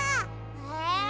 え？